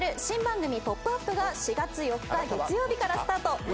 新番組『ポップＵＰ！』が４月４日月曜日からスタート。